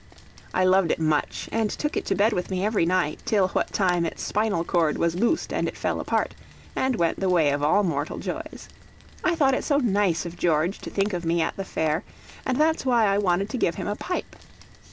I loved it much, and took it to bed with me every night, till what time its spinal cord was loosed and it fell apart, and went the way of all mortal joys. I thought it so nice of George to think of me at the fair, and that's why I wanted to give him a pipe.